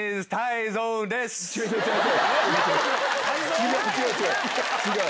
違う、違う、違う。